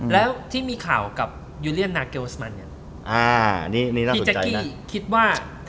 สมมุตินะ